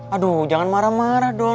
aduh jangan marah marah dong